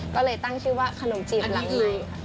ก็เลยตั้งชื่อว่าขนมจีบหลังใหม่